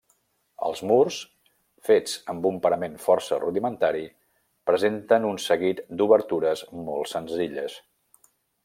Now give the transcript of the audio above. Els murs, fets amb un parament força rudimentari, presenten un seguit d'obertures molt senzilles.